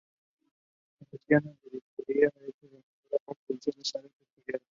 Accesorios de bisutería hechos de madera, como pulseras, aretes, collares.